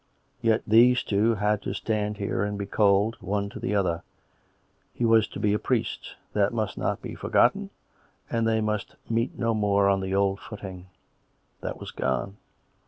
Yet these two had to stand here and be cold, one to the other. ... He was to be a priest; that must not be forgotten, and they must meet no more on the old footing. That was gone.